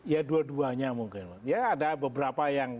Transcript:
ya dua duanya mungkin ya ada beberapa yang